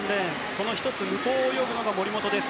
その１つ向こうを泳ぐのが森本です。